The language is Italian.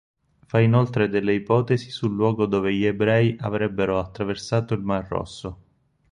Fa inoltre delle ipotesi sul luogo dove gli Ebrei avrebbero attraversato il Mar Rosso.